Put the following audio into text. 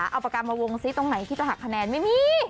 เอาปากกามาวงซิตรงไหนที่จะหักคะแนนไม่มี